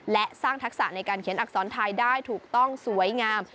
และสร้างทักษะในการเขียนอักษรไทยได้ถูกต้องสวยงาม